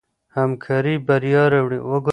همکاري بریا راوړي.